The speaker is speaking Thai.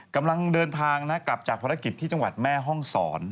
กำลังเดินทางนะกลับจากภารกิจที่จังหวัดแม่ห้องศร